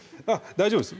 大丈夫です